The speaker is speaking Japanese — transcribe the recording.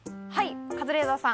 カズレーザーさん。